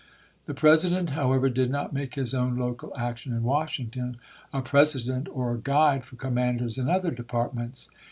The President, however, did not make his own local action in Washington a precedent or guide for commanders in other departments.